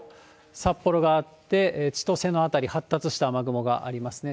札幌があって、千歳の辺り、発達した雨雲がありますね。